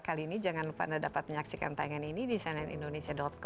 kali ini jangan lupa anda dapat menyaksikan tayangan ini di cnnindonesia com